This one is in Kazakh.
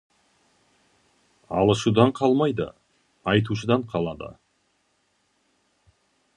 Алушыдан қалмайды, айтушыдан қалады.